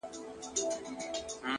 هغه ښايسته بنگړى په وينو ســـور دى،